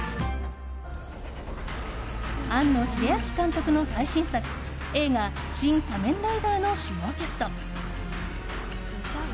庵野秀明監督の最新作映画「シン・仮面ライダー」の主要キャスト。